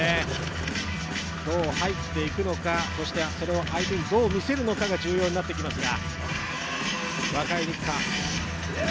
どう入っていくのか、そしてそれをどう相手に見せるのかが重要になってきますが。